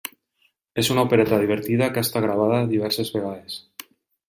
És una opereta divertida que ha estat gravada diverses vegades.